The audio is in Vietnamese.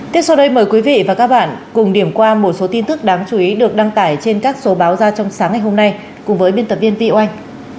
tiếp sau đây mời quý vị và các bạn cùng điểm qua một số tin tức đáng chú ý được đăng tải trên các số báo ra trong sáng ngày hôm nay cùng với biên tập viên ti oanh